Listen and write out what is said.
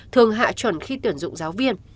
thường hạ chuẩn khi tuyển dụng giáo viên